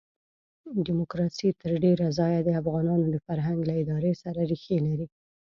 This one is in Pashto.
ډیموکراسي تر ډېره ځایه د افغانانو د فرهنګ له ادارې سره ریښې لري.